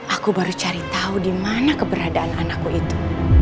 aku baru cari tau dimana keberadaan anakku itu